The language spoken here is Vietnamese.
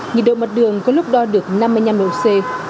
nhiệt độ mặt đường có lúc đo được năm mươi năm độ c